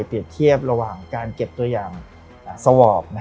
เทียบระหว่างการเก็บตัวอย่างสวอป